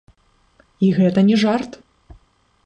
І гэта не жарт!